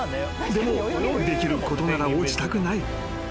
［でもできることなら落ちたくない］